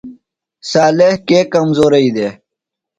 صالح کے کمزورئی دےۡ؟